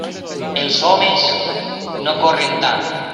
Els hòmens no corren tant.